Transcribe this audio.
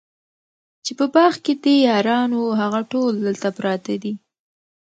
چي په باغ کي دي یاران وه هغه ټول دلته پراته دي